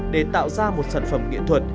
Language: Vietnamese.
để tạo ra một sản phẩm nghệ thuật